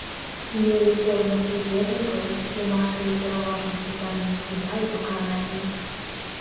Мелі форму судзебнікаў, тлумачылі пераважна пытанні суда і пакарання.